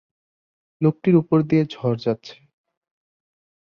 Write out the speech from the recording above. লোকটির ওপর দিয়ে ঝড় যাচ্ছে।